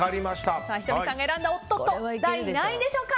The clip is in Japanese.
仁美さんが選んだおっとっと、何位でしょうか。